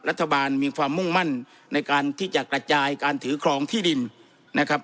รัฐบาลมีความมุ่งมั่นในการที่จะกระจายการถือครองที่ดินนะครับ